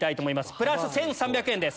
プラス１３００円です。